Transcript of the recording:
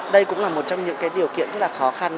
đây cũng là một trong những điều kiện rất là khó khăn